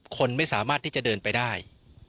คนไม่สามารถที่จะเดินไปได้